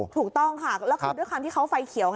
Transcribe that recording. ถูกต้องค่ะแล้วคือด้วยความที่เขาไฟเขียว